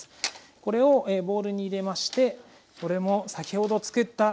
これをボウルに入れましてこれも先ほど作ったねぎ油。